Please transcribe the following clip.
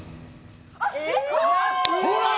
ほら！